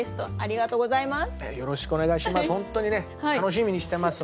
よろしくお願いします。